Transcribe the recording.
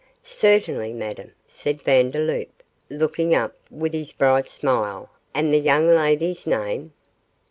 'Certainly, Madame,' said Vandeloup, looking up with his bright smile; 'and the young lady's name?